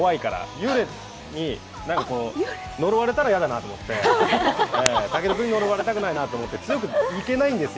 幽霊に呪われたら嫌だなと思って健君に呪われたくないなと思って強くいけないんですよ。